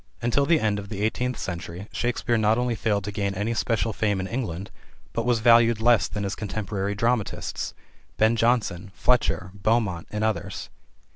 Until the end of the eighteenth century Shakespeare not only failed to gain any special fame in England, but was valued less than his contemporary dramatists: Ben Jonson, Fletcher, Beaumont, and others.